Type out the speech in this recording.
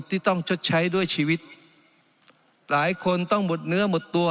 ที่ต้องชดใช้ด้วยชีวิตหลายคนต้องหมดเนื้อหมดตัว